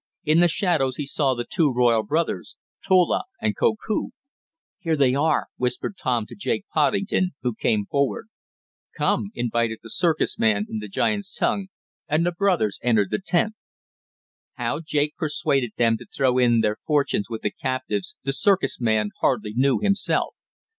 In the shadows he saw the two royal brothers, Tola and Koku. "Here they are!" whispered Tom to Jake Poddington, who came forward. "Come!" invited the circus man in the giants' tongue, and the brothers entered the hut. How Jake persuaded them to throw in their fortunes with the captives the circus man hardly knew himself.